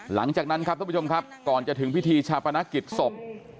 หลังจากนั้นครับท่านผู้ชมครับก่อนจะถึงพิธีชาปนกิจศพ